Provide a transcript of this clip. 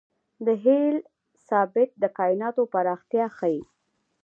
د هبل ثابت د کائناتو پراختیا ښيي.